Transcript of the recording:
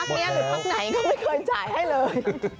นี้หรือพักไหนก็ไม่เคยจ่ายให้เลย